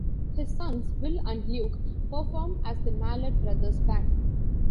His sons, Will and Luke, perform as The Mallett Brothers Band.